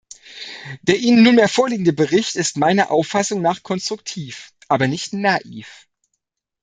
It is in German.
Der Ihnen nunmehr vorliegende Bericht ist meiner Auffassung nach konstruktiv, aber nicht naiv.